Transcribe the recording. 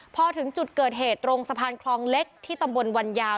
พอถึงจุดเกิดเหตุตรงสะพานคลองเล็กที่ตำบลวันยาว